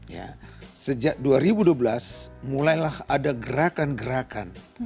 ya sejak dua ribu dua belas mulailah ada gerakan gerakan